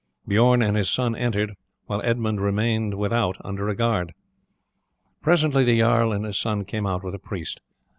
Bijorn and his son entered, while Edmund remained without under a guard. Presently the jarl and his son came out with a priest.